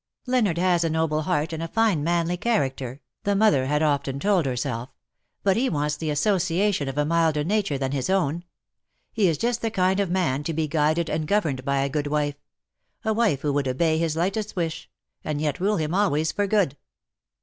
'^ Leonard has a noble heart and a fine manly character/'' the mother had often told herself; " but he wants the association of a milder nature than his own. He is just the kind of man to be guided and governed by a good wife — a wife who would obey his lightest wish, and yet rule him always for good.